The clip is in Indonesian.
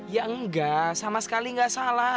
ya enggak sama sekali nggak salah